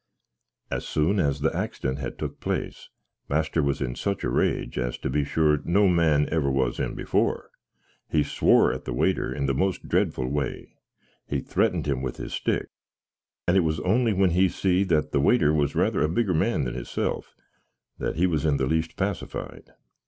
As soon as the axdent had took place, master was in such a rage as, to be sure, no man ever was in befor; he swoar at the waiter in the most dreddfle way; he threatened him with his stick, and it was only when he see that the waiter was rayther a bigger man than his self that he was in the least pazzyfied.